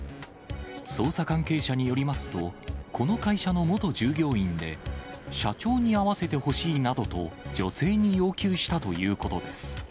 捜査関係者によりますと、この会社の元従業員で、社長に会わせてほしいなどと女性に要求したということです。